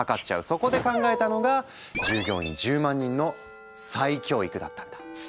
そこで考えたのが従業員１０万人の再教育だったんだ。